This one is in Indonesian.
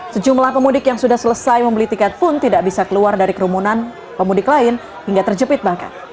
sejumlah pemudik yang sudah selesai membeli tiket pun tidak bisa keluar dari kerumunan pemudik lain hingga terjepit bahkan